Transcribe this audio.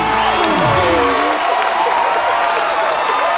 ถูกท้อง